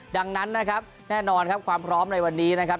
ดังนั้นนะครับแน่นอนครับความพร้อมในวันนี้นะครับ